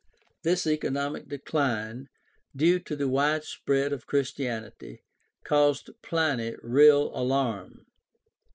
This economic decline, due to the wide spread of Christianity, caused Pliny real alarm.